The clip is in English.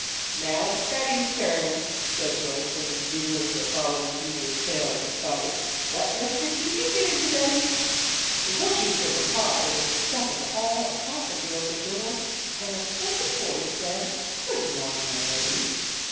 "Now it is Betty's turn," said Joyce, when the giggling that followed Eugenia's tale had subsided. "What mischief did you get into, Betty?" Before she could reply there was a step in the hall, a tap at the open door, and a pleasant voice said: "Good morning, young ladies."